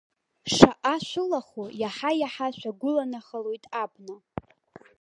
Шаҟа шәылахо, иаҳа-иаҳа шәагәыланахалоит абна.